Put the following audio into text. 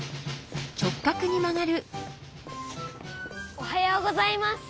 おはようございます。